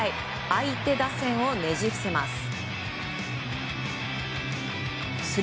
相手打線をねじ伏せます。